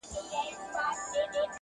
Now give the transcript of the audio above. په جنګ وتلی د ټولي مځکي-